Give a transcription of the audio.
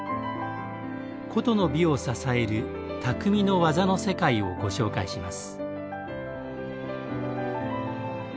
古都の美を支える「匠の技の世界」をご紹介します。